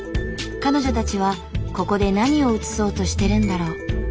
彼女たちはここで何を写そうとしてるんだろう。